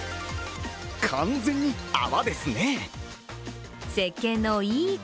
完全に泡ですね。